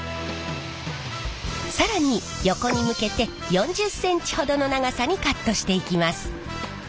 更に横に向けて４０ｃｍほどの長さにカットしていきます。